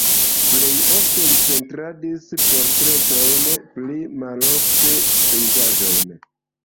Plej ofte li pentradis portretojn, pli malofte pejzaĝojn.